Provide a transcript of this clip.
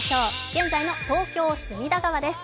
現在の東京・隅田川です